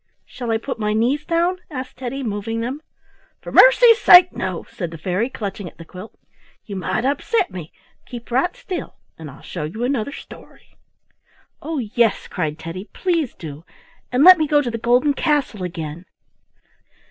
"Shall I put my knees down?" asked Teddy, moving them. "For mercy's sake! no," said the fairy, clutching at the quilt. "You might upset me. Keep right still and I'll show you another story." "Oh, yes!" cried Teddy; "please do; and let me go to the golden castle again."